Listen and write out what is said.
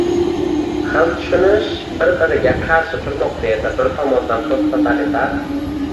xil tushunish bir-biriga qarshi turmoqda edi: bir tomondan, posttotalitar